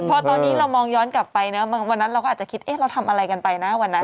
พอตอนนี้เรามองย้อนกลับไปนะวันนั้นเราก็อาจจะคิดเอ๊ะเราทำอะไรกันไปนะวันนั้น